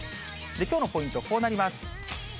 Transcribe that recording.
きょうのポイント、こうなります。